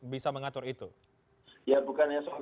bisa mengatur itu ya bukan ya soal